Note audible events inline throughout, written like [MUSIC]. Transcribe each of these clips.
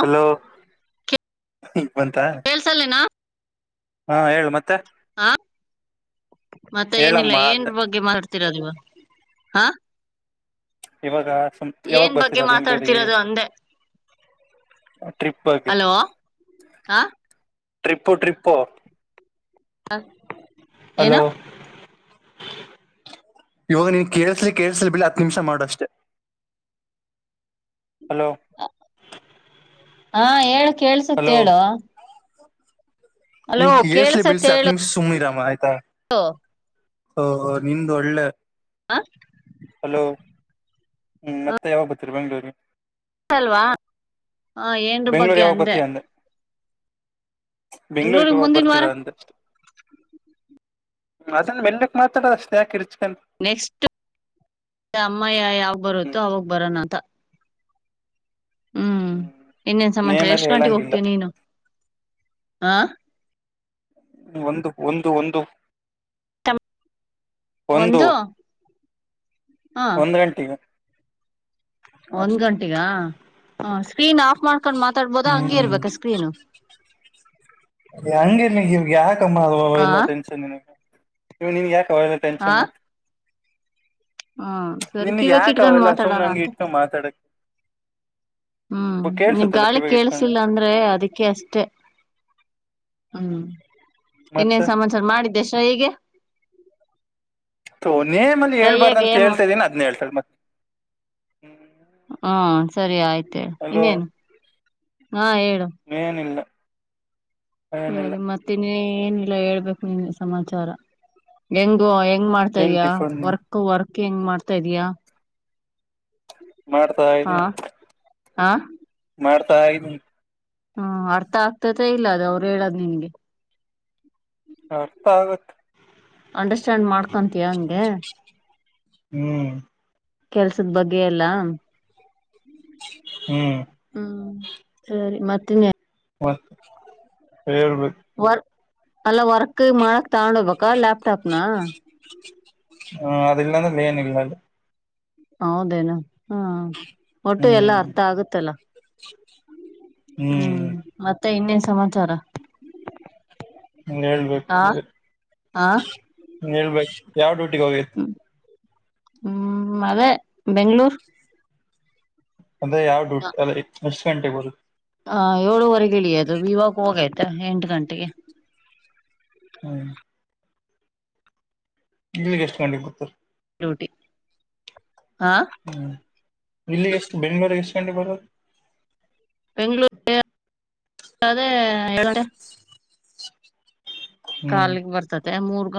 Hello ಬಂತ ಹೇಳೇಳ್ಸಲೇ ನೊ ಹಾ ಹೇಳು ಮತ್ತೆ ಮತ್ತೆ ಏನಿಲ್ಲ ಹೇಳಮ್ಮ ಏನ್ ಅಂದ ಬಗ್ಗೆ ಮಾಡ್ತಿರದು ಹಾ ಇವಾಗ ಸುಮ ಯಾವಾಗ ಏನ್ ಬಗ್ಗೆ ಬರ್ತೀರಾ ಬೆಂಗ್ಳೂರಿಗೆ ಮಾತಾಡ್ತಿರೋದು ಅಂದೆ ಹಲೋ ಹ ಟ್ರಿಪ್ಪು ಟ್ರಿಪ್ಪು ಹ ಹಲೋ ಇವಾಗ ನೀನ್ ಕೇಳಸ್ಲಿ ಕೇಳಸ್ಲಿ ಬಿಳ ಹತ್ತು ನಿಮಿಷ ಮಾಡುಷ್ಟೇ ಹಲೋ ಹಾ ಹೇಳು ಕೇಳ್ಸತ್ ಹಲೋ ಹೇಳು ಹಲೋ ನಿಂಗ್ ಪೀ ಎಸ್ ಐ ಬಲ್ಸ ಆತ್ಮ ಸುಮನ ರರಾಮ ಹ ಹ ನಿಂದು ಒಳ್ಳೆ ಹ ಹಲೋ ಹ್ಮ್ ಮತ್ತೆ ಯಾವಾಗ ಬತ್ತರಿ ಬೆಂಗ್ಳೂರಿಗೆ ಅಲ್ವಾ ಹ ಏನ್ರ ಬೆಂಗ್ಳೂರ್ ಬಗ್ಗೆ ಯಾವಾಗ ಅಂದೆ ಬೆಂಗ್ಳೂರಿಗೆ ಬೆಂಗ್ಳೂರಿಗ್ ಹೋಗಾಗ್ ಮುಂದಿನ ಬರ್ತೀರ ವಾರ ಅಂದಷ್ಟ ಅದನ್ನ ಬೆಲ್ಲಕ್ ಮಾತಾಡ ಅಷ್ಟು ಯಾಕೆ ಇರ್ಚ ನೆಕ್ಸ್ಟ್ ಅಮ್ಮಯ್ಯ ಯಾವಾಗ ಹ್ಮ್ ಬರುತ್ತೋ ಅವಾಗ ಬರೋಣ ಅಂತ ಹ್ಮ್ ಇನ್ನೇನ್ ಸಮಾಚಾರ ನೇಮ್ ಎಲ್ಲ ಎಷ್ಟ್ ಗಂಟೆಗೆ ಹೇಳಂಗಿಲ್ಲ ಹೋಗ್ತೀವಿ ನೀನು ಹ ಒಂದು ಒಂದು ಒಂದು ಒಂದು ಹ ಒಂದ ಗಂಟಿಗೆ ಒಂದ್ ಗಂಟೆಗ ಹ ಸ್ಕ್ರೀನ್ ಆಫ್ ಮಾಡ್ಕೊಂಡ್ ಮಾತಾಡ್ಬೋದ ಹಂಗೇ ಹ್ಮ್ ಇರ್ಬೇಕ ಸ್ಕ್ರೀನು ಯಾಕುವ ಹಾ ಅವಲ್ಲ ಟೆನ್ನ್ ಯಾಕ ಅವಲ್ಲ ಹಾ ಟೆನ್ಷನ್ ಹಾ ಸರಿ ನಿನ್ ಕಿವ್ಯಾಕ್ ಯಾಕ ಇಟ್ಕೊಂಡ್ ಅವೆಲ್ಲ ಸುಮ್ನೆ ಮಾತಾಡೋಣ ನಂಗಗೆ ಅಂತ ಇಟ್ಕೊಂಡ ಮಾತಾಡಕ್ ಹ್ಮ್ ನೀ ಕೇಳ್ಸುತ್ತಲ್ಲ ಗಾಳಿ ಕಿವಾಗ ಇಟ್ಕೊಂಡು ಕೇಳಸಿಲ್ಲ ಅಂದ್ರೆ ಅದಕ್ಕೆ ಅಷ್ಟೆ ಹ್ಮ್ ಮತ್ತೆ ಇನ್ನೇನ್ ಸಮಾನ್ಚಾರ ಮಾಡಿದ್ದೆ ಶ ಹೇಗೆ ನೇಮ್ ಅಲ್ಲಿ ಹೇಳ್ಬಾರ್ದು ಶ್ರಯ್ಯಗೆ ಅಂತ ಹೇಳ್ತಾ ಇದೀನಿ ಅದ್ನ ಹೇಳ್ತಾರೆ ಮತ್ತೆ ಹಾ ಸರಿ ಆಯ್ತು ಇನ್ನೇನು ಹಾ ಹೇಳು ೇನಿಲ್ಲ ಸರಿ ಮತ್ತೆ ನೀ ಏನಿಲ್ಲ ಹೇಳ್ಬೇಕು ನಿನ್ಗೆ ಸಮಾಚಾರ ಹೆಂಗೋ ಹೇಗೋ ಹೆಂಗ್ ಮಾಡ್ತಾ ಏನ್ ಇದ್ಯಾ ಟಿಫನ್ ವರ್ಕ್ ವರ್ಕ್ ಹೆಂಗ್ ಮಾಡ್ತಾ ಇದ್ಯಾ ಮಾಡ್ತಾ ಇದ್ದನೀ ಹ ಮಾಡ್ತಾ ಯಿದಿನಿ ಹ್ಮ ಅರ್ಥ ಆಗ್ತತೆ ಇಲ್ಲ ಅದ ಅವರು ಹೇಳದ ನಿನ್ಗೆ ಅರ್ಥ ಆಗತ್ ಅಂಡರ್ಸ್ಟ್ಯಾಂಡ್ ಮಾಡ್ಕೊಂತಯ ಹಂಗೆ ಹ್ಮ್ ಕೆಲ್ಸದ ಬಗ್ಗೆ ಎಲ್ಲಾ ಹ್ಮ್ ಹ್ಮ್ ಸರಿ ಮತ್ತ ಇನ್ನೇನು ಮತ್ತೆ ಹೇಳ್ಬೇಕು ವರ್ ಅಲ್ಲ ವರ್ಕ್ ಮಾಡಕ್ ತಗೊಂಡ ಹೋಗ್ಬೇಕ ಲ್ಯಾಪ್ಟಾಪ್ನ ಹ್ಮ ಅದಿಲ್ಲಂದಲ್ಲ ಏನ ಅಲ್ಲಿ ಹೌದೇನು ಹ್ಮ ಒಟ್ಟು ಎಲ್ಲಾ ಹ್ಮ್ ಅರ್ಥ ಆಗುತ್ತಲ್ಲ ಹ್ಮ್ ಮತ್ತೆ ಇನ್ನೇ ಸಮಾಚಾರ ಹ್ಮ ಹೇಳ್ಬೇಕು ಆ ಆ ಹೇಳ್ಬೇಕು ಯಾವ ಡ್ಯೂಟಿಗೆ ಹೋಗಿತ್ತು ಹ್ಮ್ ಅದೇ ಬೆಂಗಳೂರು ಅಂದ್ರೆ ಯಾವ್ದ ದುಡ್ ಅಲ್ಲ ಎಸ್ಟ ಗಂಟೆಗೆ ಬರುತ್ತೆ ಹಾ ಏಳುವರೆಗೆ ಇಳಿಯೋದು ಇವಾಗ್ ಹೋಗಯ್ತ ಎಂಟು ಗಂಟೆಗೆ ಹ್ಮ ತಿಂಗಳ್ಗೆ ಎಷ್ಟು ಗಂಟೆಗೆ ಕೊಡತಾರೆ ಡ್ಯೂಟಿ ಹಾ ಹ್ಮ್ ಇಲ್ಲಿ ಎಷ್ಟು ಬೆಂಗಳೂರಿಗೆ ಎಷ್ಟು ಗಂಟೆಗೆ ಬರೋದು ಬೆಂಗಳೂರು ಆದೆ ಎರಡೂ ಗಂಟೆ ಹ್ಮ್ ಕಾಲಗ್ ಬರ್ತತೆ ಮೂರ್ಗ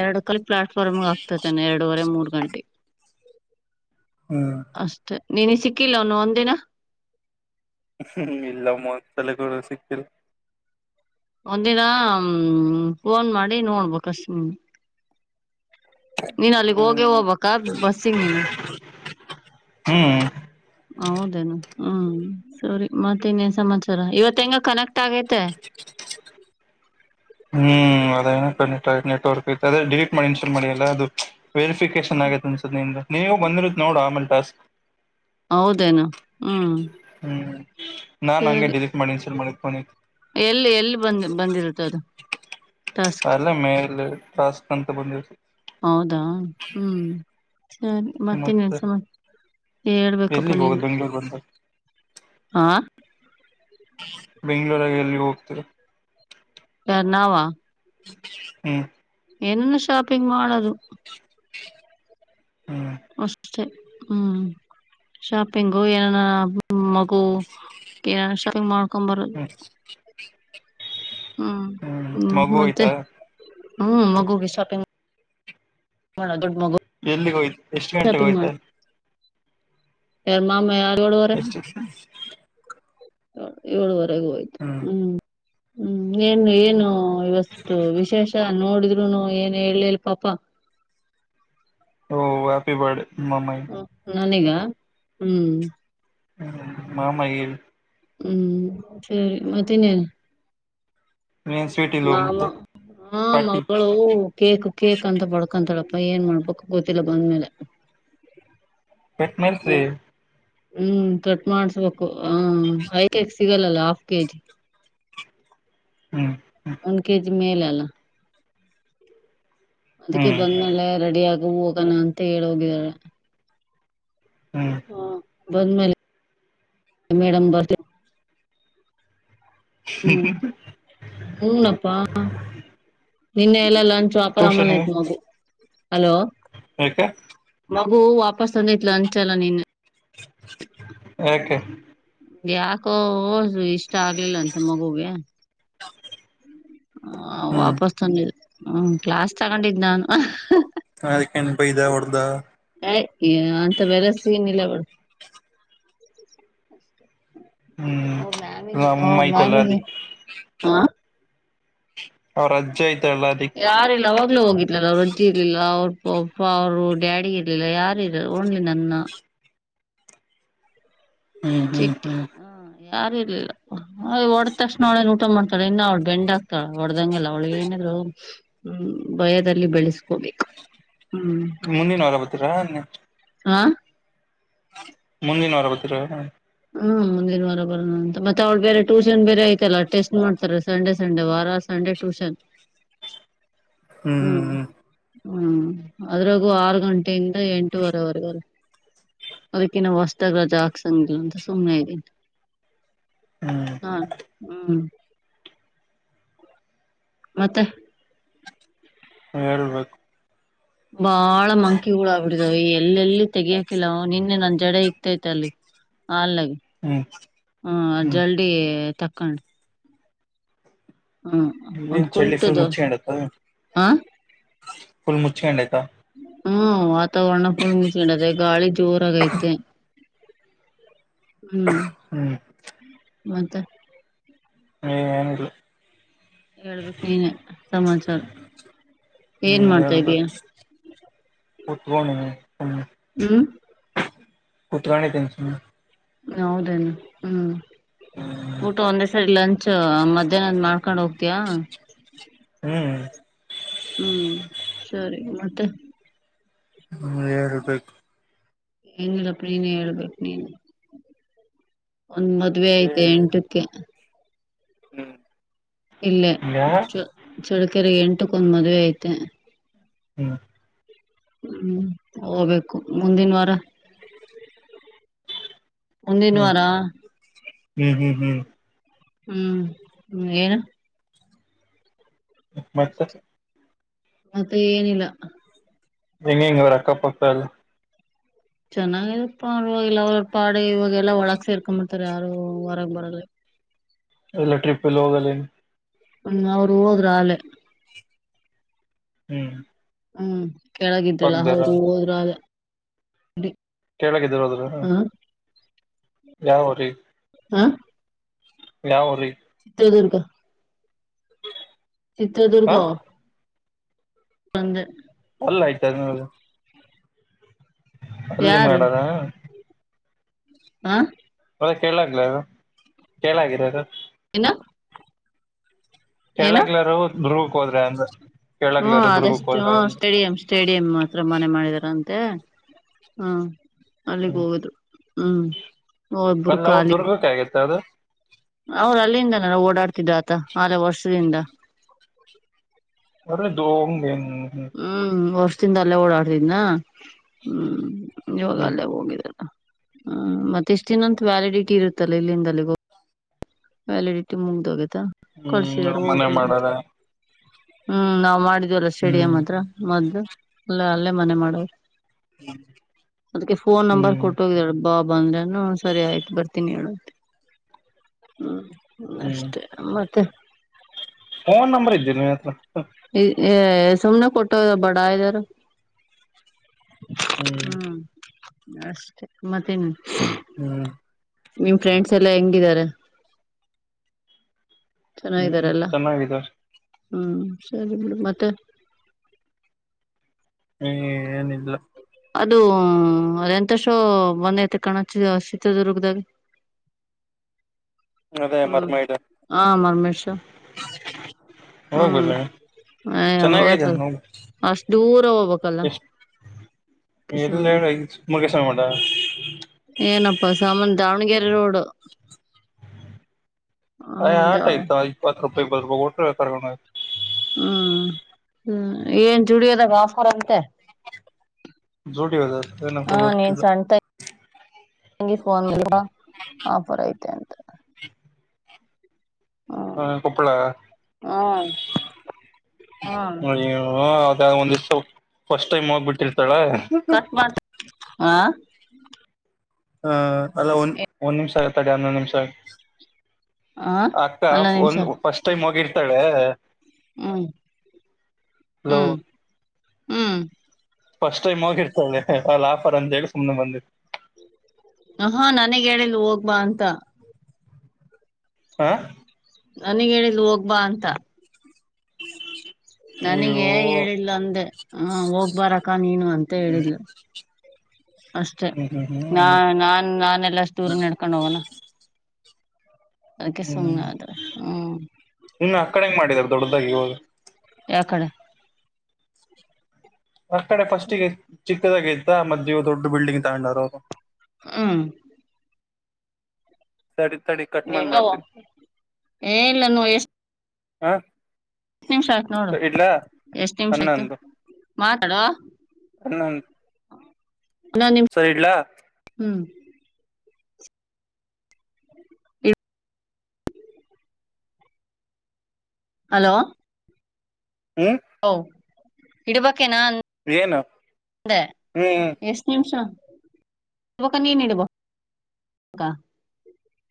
ಎರಡು ಕಾಲ ಪ್ಲಾಟ್ಫಾರ್ಮ್ ಆಗ್ತತೆ ಎರಡುವರೆ ಮೂರು ಗಟಿ ಹ್ಮ್ ಅಷ್ಟೆ ನೀನ ಸಿಕ್ಕಿಲ್ಲನು ಒಂದಿನ ಹ್ಮ ಇಲ್ಲ ಮೂ ಸಲೆಗಳು ಸಿಕ್ತಾವೆ ಒಂದಿನ ಹ್ಮ ಫೋನ್ ಮಾಡಿ ನೋಡಬೇಕು ಅಷ್ಟೇ ನೀನ್ ಅಲ್ಲಿಗ್ ಹೋಗಿ ಹ್ಮ್ ಹೋಗ್ಬ ಬಸ್ಸಿಗೆ ನೀನು ಹ್ಮ್ ಹೌದೇನು ಹ್ಮ್ ಸರಿ ಮತ್ತ ಇನ್ನೇ ಸಮಾಚಾರ ಇವತ್ತ ಹೆಂಗ ಕನಕ್ಟರ್ ತ್ತಾಗತೆ ಹ್ಮ್ ಅದ ನೆಟ್ವರ್ಕ್ ಅದೇ ಡಿಲೀಟ್ ಮಾಡಿ ಡಿಲೀಟ್ ಮಾಡಿ ಸೇವ್ ಮಾಡಿಲ್ಲ ವೆರಿಫಿಕೇಶನ್ ಆಗೆ ಅನ್ಸರ್ ನಿ ನೀವು ಬಂದಿರುತ್ತ ನೋಡ ಆಮೇಲೆ ಟಾಸ್ಕ್ ಹೌದೇನು ಹ್ಮ್ ಹ್ಮ್ ನಾನ್ ನಂಗೆ ಸರಿ ಡಿಲೀಟ್ ಮಾಡಕ್ಕ ಶುರು ಮಾಡಿನಿ ಎಲ್ಲಿ ಎಲ್ಲಿ ಬಂದ್ ಬಂದಿರುತ್ತ ಅದು ಟಾಸ್ಕ್ ಅಲ್ಲ ಮೇಲೆ ಟಾಸ್ಕ್ ಅಂತ ಬಂದಿರುತ್ತದೆ ಹೌದಾ ಹ್ಮ್ ಸರಿ ಮತ್ತ ಇನ್ನೇನ್ ಮತ್ತೆ ಸಮಾಚಾರ ಹೇಳ್ಬೇಕಪ್ಪಾ ಎಲ್ಲಿಗೆ ನೀನ್ ಹೋಗೋದು ಬೆಂಗ್ಳೂರ್ ಬಂದಾಗ ಹಾ ಬೆಂಗಳೂರಾಗ ಎಲ್ಲಿ ಹೋಗ್ತೀರಿ ಯಾರ್ ನಾವ ಹ್ಮ್ ಏನ್ನು ಶಾಪಿಂಗ್ ಮಾಡದು ಹ್ಮ್ ಅಷ್ಟೆ ಹ್ಮ್ ಶಾಪಿಂಗು ಏನಾನ ಮಗು ಏನ ಶಾಪಿಂಗ್ ಮಾಡ್ ಕಂಬರ್ ಹ್ಮ್ ಹ್ಮ್ ಹ್ಮ್ ಮಗು ಮತ್ತೆ ಹೋಯ್ತಾ ಹ್ಮ್ ಮಗುಗೆ ಶಾಪಿಂಗ್ ಮಾಡೋದು ಎಲ್ಲಿ ಹೋಗಿದ್ದಿ ಎಷ್ಟು ಗಂಟೆಗೆ ಹೋಗಿದ್ದಿ ಶರ್ಮ ಮ ಅ ಏಳುವರೆಗೂ ಹೋಯ್ತು ಹ್ಮ್ ಹ್ಮ್ ಏನು ಏನು ಇವತ್ತು ವಿಶೇಷ ನೋಡಿದ್ರುನು ಏನ್ ಹೇಲಿಲ್ ಪಾಪ ಓ ಹಪಿಬರ್ಡ್ ಹ ನನೀಗ ಹ್ಮ್ ಹ್ಮ ಮಾಮಯ ಹ್ಮ್ ಸರಿ ಮತ್ತ ಇನ್ನ್ ಏನ್ ಸ್ವೀಟ್ ನ ಇಲ್ವ ಮತ್ತೆ ಹ ಪಾರ್ಟಿ ಮಗಳು ಕೇಕ್ ಕೇಕ್ ಅಂತ ಬಡ್ಕೊಂತಡ ಅ ಏನ್ ಮಾಡಪಕ್ಕ ಗೊತಿಲ್ಲ ಬಂದ್ಮೇಲೆ ಪೆಟ್ನಮ್ ಹ್ಮ್ ಹ್ಮ್ ಕಟ್ ಮಾಡ್ಸ್ಬೇಕು ಹ ಐಕ್ ಸಿಗಲ್ಲಲ್ಲ ಹಾಫ್ ಕೆಜಿ ಹ್ಮ್ ಒಂದ್ ಕೆಜಿ ಮೇಲೆ ಅಲ್ಲ ಅದಕ್ಕೆ ಹ್ಮ್ ಬಂದ್ಮಲೆ ರೆಡಿ ಆಗ ಹೋಗಣ ಅಂತ ಹೇಳಿ ಹೋಗಿದಾಳೆ ಹ್ಮ್ ಬಂದ್ಮೇಲೆ ಮೇಡಮ್ ಬರ್ಲಿ ಹ್ಮ್ ಹ್ಮನಪ್ಪಾ ನಿನ್ನೆ ಎಲ್ಲಾ ಲಂಚ್ ವಪರಾಮನ ಟ್ಯೂಷನ್ಗೆ ಆಯತ್ ಮಗು ಹಲೋ ತ್ತ ಹಾಗಗೋ ವಾಪಸ್ ತಂದ ಇಲ ಅಂಚಲ್ಲ ನೀನು ಯಾಕೆ ಯಾಕೋ ಹೋ ಇಷ್ಟ ಆಗ್ಲಿಲ್ಲಂತೆ ಮಗುಗೆ ಹ ಹ್ಮ್ ವಾಪಸ್ ತಂದಿದ ಹ್ಮ ಕ್ಲಾಸ್ ತಗೊಂಡಿದ್ನ ಅಲ್ವಾ ಅದಕೇನು ಬೈದ ಹೋಡ್ದ ಏ ಅಂತಾವೆಲ್ಲ ಸೀನ್ ಇಲ್ಲ ಬುಡು ಅವ್ರ ಹ್ಮ್ಮ್ಮೈ ಚಲ್ಲಲ್ಲಿ ಮ್ಯಾಮಿಗೆ ಹ ಅವ್ರ ಅಜೈ ಯಾರಿಲ್ಲವ ಹೋಗಿಲಲ್ಲ ಅವ ರೊಜಿ ಇರ್ಲಿಲ್ಲ ಅವ್ರ ಪಪ್ಪ ಅವರು ಡ್ಯಾಡಿ ಇರ್ಲಿಲ್ಲ ಯಾರು ಇರ ಓನ್ಲಿ ನನ್ನ ಹ್ಮ್ ಹ್ಮ್ ಚಿಟ್ಟಿ ಹ್ಮ್ ಯಾರು ಇರ್ಲಿಲ್ಲ ಅ್ ಹೊಡ್ದ ತಕ್ಷಣ ಒಳೇ ಊಟ ಮಾಡ್ತಾಳ ಇ ಅವ್ಳು ಬೆಂಡ್ ಆಗ್ತಾಳ ಹೊಡ್ದಂಗೆಲ್ಲ ಅವಳಗ್ ಏನಿದ್ರು ಹ್ಮ್ ಭಯದಲ್ಲಿ ಬೆಳೆಸ್ಕೋಬೇಕು ಹ ಹ್ಮ್ ಮುಂದಿನ ಹೊರ ಬತೀರಾ ಹಾ ಮುಂದಿನವರ ಗೊತ್ತರ ಹ್ಮ ಮುಂದಿನ ವಾರ ಬರೋ ಅಂತ ಮತ್ತೆ ಅವ್ಳ ಬೇರೆ ಟ್ಯೂಷನ್ ಬೇರೆ ಐತಲ್ಲ ಟೆಸ್ಟ್ ಮಾಡ್ತಾರೆ ಸಂಡೆ ಸಂಡೇ ವಾರ ಸಂಡೆ ಟ್ಯೂಷನ್ [UNINTELLIGIBLE] ಹ್ಮ್ ಹ್ಮ್ ಹ್ಮ್ ಹ್ಮ್ ಅದ್ರಾಗೂ ಆರು ಗಂಟೆಯಿಂದ ಎಂಟುವರೆವರೆಗ ಅದಕ್ಕಿನ್ನ ಹೊಸ್ತಾಗ ಜಾಾಗಸಂಗ ಸನೆ ಇ ಹ್ಮ್ ಹಾ ಹ್ಮ್ ಮತ್ತೆ ಹ್ಮ್ ಹೇಳ್ಬೇಕು ಬಾಳ ಮಂಕಿಳಾಗಗ್ಬಿಡಿದಾವ ಎಲ್ಲೆಲ್ಲಿ ತೆಗಿಯಾಕಿಲ್ಲ ನಿನ್ನೆ ನನ್ ಜಡೆ ಇಗ್ತೈತೆ ಅಲ್ಲಿ ಅಲ್ಲಗೆ ಹ್ಮ್ ಹ ಹ್ಮ್ ಜಲ್ಡಿಿ ತಕ್ಕೊಂಡು ಹಾ ನೀ ಚಡ್ಲಿ ುಲ್ ಮುಚ್ಕೊಂಡ ುಲ್ ಮುಚ್ಕೊಂಡ ಯತ ಹ್ಮ ವಾತಾವರಣ ಫುಲ್ ಮುಸ್ಕೊಂಡದ ಗಾಳಿ ಜೋರಾಗೈತೆ ಹ್ಮ್ ಹ್ಮ್ ಮಂತ ಏನಿಲ್ಲ ಹೇಳ್ಬೇಕು ನೀನ ಸಮಾಚಾರ ಏನ್ ಹ್ಮ್ ಮಾಡ್ತಾ ಇದಯಾ ಹಟ್ಬ ಹ ಹ್ಮ್ ಕತ್ರರ ನೀ ತಚ ಹ ಹೌದೇನು ಹ್ಮ್ ಊಟ ಒಂದೇ ಸರಿ ಲಂಚ್ ಮಧ್ಯಾಹ್ನದ್ ಮಾಡ್ಕೊಂಡ್ ಹೋಗ್ತಯಾ ಹ್ಮ್ ಹ್ಮ್ ಸರಿ ಮತ್ತೆ ಹ್ಮ್ ಹೇಳ್ಬೇಕು ಏನಿಲ್ಲಪ್ಪ ನೀನೇ ಹೇಳ್ಬೇಕು ನೀನು ಒಂದ್ ಮದ್ವೆ ಐ್ತೆ ಎಂಟಕ್ಕೆ ಹ್ಮ್ ಇಲ್ಲೇ ಯಾ ಚ ಚಳಕರ್ ಎಂಟಕ್ಕೊಂದ್ ಮದ್ವೆ ಐತೆ ಹ್ಮ್ ಹ್ಮ್ ಹೋಗ್ಬೇಕು ಮುಂದಿನ ವಾರ ಹ್ಮ್ ಒಂದಿನವಾರಾ ಹ್ಮ್ ಹ್ಮ್ ಹ್ಮ್ ಹ್ಮ್ ಹ್ಮ ಏನು ಮತ್ತೆ ಅಷ್ಟ ಮತ್ತೆ ಏನಿಲ್ಲ ಹೆಂಗಂಗ ಅವರ ಅಕ್ಕಪ್ಪಕ್ಕಲ್ ಚೆನ್ನಾಗಪ್ಪ ಅವರೆಲ್ಲ ಅವರ ಪಾಡಿಗೆ ಇವಾಗೆಲ್ಲಾ ಒಳಗ್ ಸೇರ್ಕೊಂಡ್ಂಬಿಡ್ತಾರೆ ಯಾರು ಹೊರಗೆ ಬರಲ್ಲ. ಎಲ್ಲ ಟ್ರಿಪ್ಲ್ಲಿ ಹೋಗಲ ಹ್ಮ ಅವ್ರು ಹಓದರ ಆಳ ಹ್ಮ್ ಹ್ಮ್ ಕೆಳಾಗಿದ್ದಲ್ಲ ಪಕ್ದಾರ ಅವರು ಹೋದ್ರು ಕೇಳಗಿದರು ಅದ್ರ ಹ ಯಾವ ರೀ ಹ ಯಾವ ರೀ ಚಿತ್ರದುರ್ಗ ಚಿತ್ರದುರ್ಗ ಹಾ ಹಂಗೆ ಅಲ್ಲ ಆಯ್ತ [UNINTELLIGIBLE] ಅಲ್ಲಿ ಮಾಡದಾ ಹಾ ಮದ ಕೇಳಾಗಲ ಅದು ಕೇಳಾಗಿದೆ ಏನ ಏನು ಹೇಳಕ್ಲಾರ ಮುರ್ಗಕ್ ಹೋದ್ರೆ ಅಂದ್ರ ಹ್ಮ ಅಷ್ಟು ಸ್ಟೇಡಿಯಂ ಸ್ಟೇಡಿಯಂ ಹತ್ರ ಮನೆ ಮಾಡಿದಾರ ಅಂತ. ಮತ್ತೆ ಹ್ಮ್ ಅಲ್ಲಿಗೆ ಹ್ಮ್ ಹೋಗುದ್ರು ಹ್ಮ್ ಒಬ್ರು ಅಲ್ಲ ಅವರು ಖಾಲಿ ದುರ್ಗಕ್ಕೆ ಆಗತ್ತೆ ಅದು ಅವ್ರ ಅಲ್ಲಿಂದ ನಾನ ಓಡಾಡ್ತಿದ್ದ ಆತ ಆಲೆ ವರ್ಷದಿಂದ ಅ ದ ಹ ಹ್ಮ್ ಹ್ಮ ತಿಂದ ಅಲ್ಲೇ ಓಡಾಡ್ತಿದ್ನಾ ಹ್ಮ್ ಇವಾಗ ಅಲ್ಲೇ ಹೋಗಿದಲ್ಲ ಹ ಮತ್ತೆ ಇಷ್ಟ ದಿನಂತ ವ್ಯಾಲಿಡಿಟಿ ಇರುತ್ತಲ್ಲ ಇಲ್ಲಿಂದಲ್ಲಿ ಹೋಗ ವ್ಯಾಲಿಡಿಟಿ ಮುಗ್ದೋಗೇತಾ ಕಳ್ಸಿದಾರ ಹ್ಮ್ ಮನೆ ಹೋಗ್ರೀ ಅಂತ ಮಾಡಾರ ಹ್ಮ್ ನಾವ್ ಮಾಡಿದ್ವಲ್ಲ ಸ್ಟೇಡಿಯಂ ಹ್ಮ್ ಹತ್ರ ಮದ್ದು ಅಲ್ಲ ಅಲ್ಲೇ ಮನೆ ಮಾಡವರು ಅದಕ್ಕೆ ಫೋನ್ ನಂಬರ್ ಹ್ಮ್ ಕೊಟ್ಟ ಹೋಗಿದ್ದಾಳೆ. ಬಾ ಬ ಅಂದ್ರನು ಸರಿ ಆಯ್ತು ಬರ್ತೀನಿ ಹೇಳಂತ ಹ್ಮ ಹ್ಮ್ ಅಷ್ಟೇ ಮತ್ತೆ ಫೋನ್ ನಂಬರ್ ಇದ್ದೀರಿ ನಿನ್ನ ಹತ್ರ ಈ ಸುಮ್ನೆ ಕೊಟ್ಟ ಬಡ ಇದದಾರ ಹ್ಮ್ ಅಷ್ಟೇ ಮತ್ತೇನು ಹ್ಮ್ ನಿಮ್ ಫ್ರೆಂಡ್ಸ್ ಎಲ್ಲಾ ಹೆಂಗಿದಿದ್ದಾರೆ? ಹ್ಮ್ ಚೆನ್ನಾಗಿದಾರಲ್ಲ ಚೆನ್ನಾಗಿದಾರ ಹ್ಮ್ ಸರಿ ಬಿಡು ಮತ್ತೆ ಹ್ಮ ಏನಿಲ್ಲ ಅದು ಅ ಎಂತಷ್ಟೋ ಬಂದೈತೆ ಕಾಣ ಚಿತ್ರದುರ್ಗದಾಗ [INAUDIBLE] ಅದೇ ಹ್ಮ್ ಮರ್ಮ ಇಡ ಹಾ ಮರಮೇಶ್ವ ಹೋಗ್ಬುದ್ರ ಹ ಹತ್ಲಾಗೆ ಹೋಗ ಅಷ್ಟ್ ದೂರ ಹೋಗ್ಬೇಕಲ್ಲ ಎಷ್ಟ ಎಲ್ಲ ಸುಮ್ನೆ ಮುಗೇಶ್ವ ಮಾಡ ಏನಪ್ಪಾ ಸಾಮಾನ್ ದಾವಣಗೆರೆ ರೋಡ್ ಅ ಹದ ಆಟ ಇತ್ತು ಇಪ್ಪತ್ ರೂಪಾಯಿ ಬರಬಹು ಕೊಟ್ಟು ಕರ್ಕೊಂಡ್ ಹೋಗು. ಹ್ಮ್ ಹ್ಮ್ ಏನ್ ಚುಡಿಯೋದಾಗಾ ಆಫರಂತೆ ಜೂಡಿ ಅದ ಏನಪ್ಪ ಹಾ ನೀನ್ ಗೊತ್ತಿಲ್ಲ ಸಂತಂಗಿ ಫೋನ್ ಮಾಡಿದ್ಲು ಹ ಆಫರ್ ಐತೆ ಅಂತ ಹ್ಮ್ ಹ್ಮ ಕುಪ್ಪಳ ಹ್ಮ್ ಹ್ಮ್ ಹ ಅದ ಒಂದಿಸ ಫಸ್ಟ್ ಟೈಮ್ ಹೋಗ್ಬಿಟ್ಟಿರ್ತಾಳೆ ಹಾ ಹ ಅಲ್ಲ ಒಂದ್ ಒಂದ್ ನಿಮಿಷ ಆಗತಡೆ ಹನ್ನೊಂದು್ ನಿಮಿಷ ಆಗ ಹ ಅಕ್ಕ ಅಲ್ಲ ನಿಮಿಷ ಒಂದ ಫಸ್ಟ್ ಟೈಮ್ ಹೋಗಿರ್ತಾಳೆ ಹ್ಮ್ ಹಲೋ ಹ್ಮ್ ಹ್ಮ್ ಫಸ್ಟ್ ಟೈಮ್ ಹೋಗಿರ್ತಳೆ ಅ ಆಫರ್ ಅಂತೇಳಿ ಸುಮ್ನೆ ಬಂದಿತ್ತ ಹ ಹಾ ನನಗ್ ಹೇಳಿಲ್ಲ ಹೋಗ್ಬಾ ಅಂತ ಹ ನನಗ್ ಹೇಳಿದಲು ಹೋಗ್ಬಾ ಅಂತ. ನನಗ ಅಯ್ಯೋ ಹೇಳಿಲ್ಲ ಅಂದೆ ಹ ಹೋಗ್ಬಾರಕ್ಕ ನೀನು ಅಂತ ಹೇಳಿದ್ಲು. ಹ್ಮ್ ಅಷ್ಟೆ ಹ್ಮ್ ಹ್ಮ್ ನಾ ನಾನ್ ನಾನೆಲ್ಲಷ್ಟುೂರನ್ನ ನೆಡ್ಕೊಂಡು ಹೋಗೋಣ ಅದಕ್ಕೆ ಸುಮ್ನೆ ಹ್ಮ್ ಆದೆ ಹ್ಮ್ ಇನ್ನು ಆ ಕಡೆಗ ಮಾಡಿದಾರ ದೊಡ್ಡದಾಗಿ ಹೋದು ಯಕಡೆ ಆ ಕಡೆ ಫಸ್ಟ್ಿಗೆ ಚಿಕ್ಕದಾಗ ಇ್ದ ಮದೆ ಇವ ದೊಡ್ಡ ಬಿಲ್ಡಿಂಗ್ ತಗೊಂಡರು ಅವರು ಹ್ಮ್ ತಡಿ ತಡಿ ಕಟ್ ಮಾಡ್ ಹೆಂಗವ ಮಾಡ್ತಿದ ಏ ಇಲ್ಲ ನೋ ಹ ಎಷ್ಟ್ ನಿಮಿಷ ಆಯ್ತು ನೋಡು ಇಡ್ಲಾ ಎಷ್ಟ ನಿಮಿಷ ಆಯ್ತು ಹನ್ನೊಂದು ಮಾತಾಡುವ ಹ್ಮ್ ಅಲ್ಲ ನಿಮ್ ಹ್ಮ್ ಹಲೋ ಹ್ಮ್ ಹೌ ಇಡಬ ೆ ಏನು ನಾಂದ ಹ್ಮ್ ಎಷ್ಟು ನಿಮಿಷ ನೀನ ಇಡುಬ